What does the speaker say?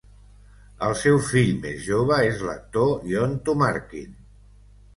El seu fill més jove és l'actor Yon Tumarkin.